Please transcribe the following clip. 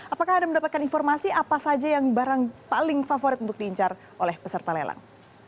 apakah anda mendapatkan informasi apa saja yang barang paling favorit untuk diincar oleh peserta lelang